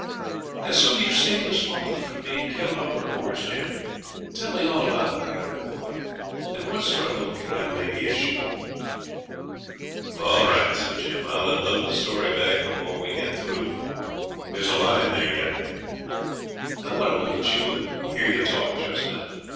And so you saved Miss Falkland from being killed off her horse, Jim? Tell me all about it, like a good boy, and what sort of a looking young lady is she?' 'All right,' said Jim. 'I'll unload the story bag before we get through; there's a lot in there yet; but I want to look at you and hear you talk just now.